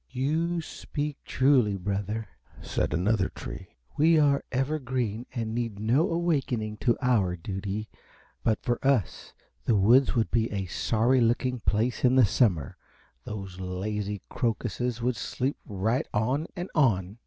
"You speak truly, brother," said another tree. "We are ever green and need no awakening to our duty; but for us the woods would be a sorry looking place in the summer. Those lazy crocuses would sleep right on and on!"